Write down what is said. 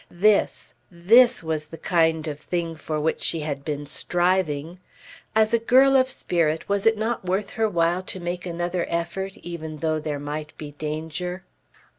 This, this was the kind of thing for which she had been striving. As a girl of spirit was it not worth her while to make another effort even though there might be danger?